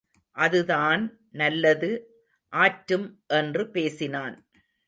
அதுதான் நல்லது ஆற்றும் என்று பேசினான்.